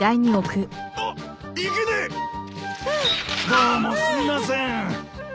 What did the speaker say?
どうもすみません。